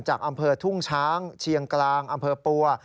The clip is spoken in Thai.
จากอำเภอทุ่งช้างเชียงกลางอำเภอปัว